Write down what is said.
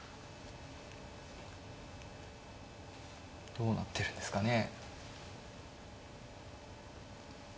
どうなってるんですかね。